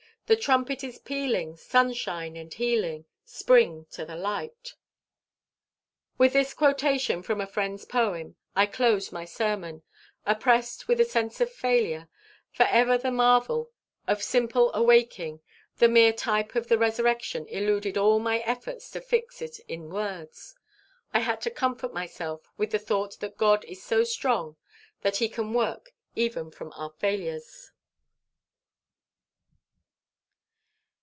The trumpet is pealing Sunshine and healing Spring to the light.'" With this quotation from a friend's poem, I closed my sermon, oppressed with a sense of failure; for ever the marvel of simple awaking, the mere type of the resurrection eluded all my efforts to fix it in words. I had to comfort myself with the thought that God is so strong that he can work even with our failures.